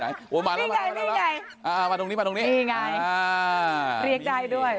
นี่ไงนี่ไงมาตรงนี้มาตรงนี้เรียกได้ด้วย